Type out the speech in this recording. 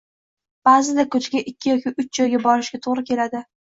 Ba'zida kuniga ikki yoki uch joyga borishga to'g'ri keladi